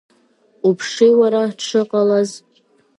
Уԥши уара, дшыҟалаз!